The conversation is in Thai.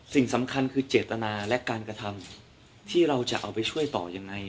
สิ่งสำคัญคือเจตนาและการกระทำที่เราจะเอาไปช่วยต่อยังไง